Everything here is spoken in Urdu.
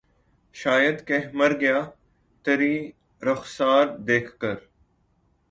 شاید کہ مر گیا ترے رخسار دیکھ کر